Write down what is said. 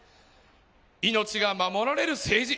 命が守られる政治。